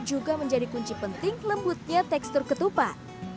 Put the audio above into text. juga menjadi kunci penting lembutnya tekstur ketupat